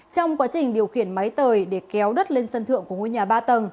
trong quá trình điều khiển máy tời để kéo đất lên sân thượng của ngôi nhà ba tầng